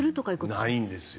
ないんですよ